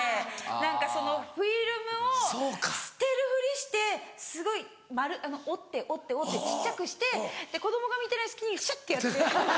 何かそのフィルムを捨てるふりしてすごい折って折って折って小っちゃくして子供が見てない隙にシュってやって。